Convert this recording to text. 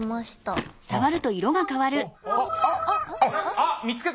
あっ見つけた！